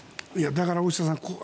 だから、大下さん